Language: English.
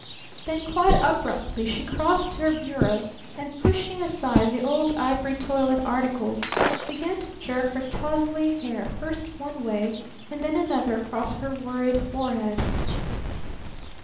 Then quite abruptly she crossed to her bureau and pushing aside the old ivory toilet articles, began to jerk her tously hair first one way and then another across her worried forehead.